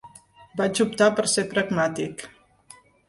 Vaig optar per ser pragmàtic.